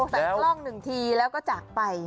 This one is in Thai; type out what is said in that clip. แต่ลองนึงทีแล้วก็จัก